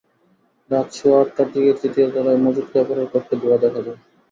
রাত সোয়া আটটার দিকে তৃতীয় তলায় মজুত কাপড়ের কক্ষে ধোঁয়া দেখা যায়।